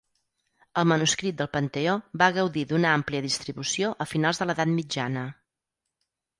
El manuscrit del Panteó va gaudir d'una àmplia distribució a finals de l'Edat Mitjana.